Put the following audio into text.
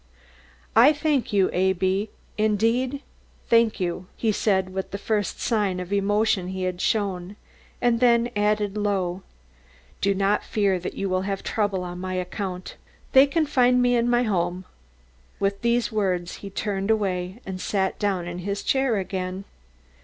"I thank you, indeed, thank you," he said with the first sign of emotion he had shown, and then added low: "Do not fear that you will have trouble on my account. They can find me in my home." With these words he turned away and sat down in his chair again.